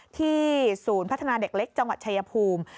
ศูนย์พัฒนาเด็กเล็กจังหวัดชายภูมิ